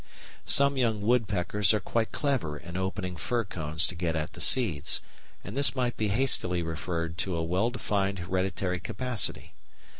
Some young woodpeckers are quite clever in opening fir cones to get at the seeds, and this might be hastily referred to a well defined hereditary capacity.